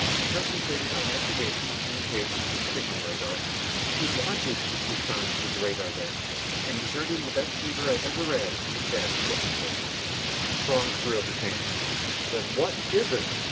He concentrated on astrogation, communications and signal radar. He wanted to be assigned to the radar deck. And he turned in the best paper I've ever read from a cadet to get the post." Strong threw up his hands. "Then what is it?